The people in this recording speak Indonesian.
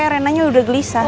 renanya udah gelisah